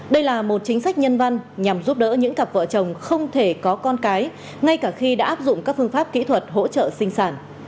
đây là một chính sách nhân văn nhằm giúp đỡ những cặp vợ chồng không thể có con cái ngay cả khi đã áp dụng các phương pháp kỹ thuật hỗ trợ sinh sản